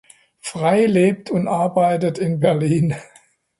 Frey lebt und arbeitet in Berlin.